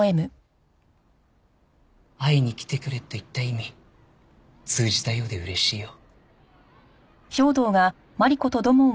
「会いに来てくれ」と言った意味通じたようで嬉しいよ。